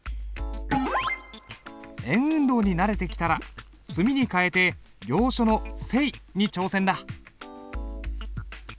円運動に慣れてきたら墨に替えて行書の「生」に挑戦だ。